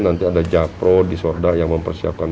nanti ada japro di sorda yang mempersiapkan